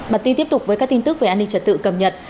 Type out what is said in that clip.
bản tin tiếp tục với các tin tức về an ninh trật tự cầm nhật